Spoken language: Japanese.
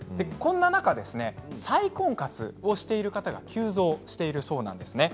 そんな中、再婚活をしている方が急増しているそうなんです。